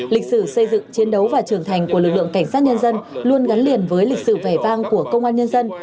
lịch sử xây dựng chiến đấu và trưởng thành của lực lượng cảnh sát nhân dân luôn gắn liền với lịch sử vẻ vang của công an nhân dân